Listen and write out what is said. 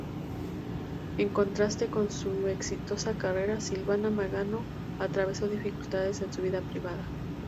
En contraste con su exitosa carrera, Silvana Mangano atravesó dificultades en su vida privada.